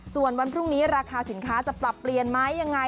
ส่วนวันพรุ่งนี้ราคาสินค้าจะปรับเปลี่ยนไหมยังไง